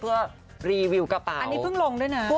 เพื่อรีวิวกระเป๋าอันนี้เพิ่งลงด้วยนะ